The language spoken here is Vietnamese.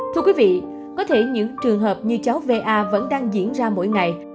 thưa quý vị có thể những trường hợp như cháu va vẫn đang diễn ra mỗi ngày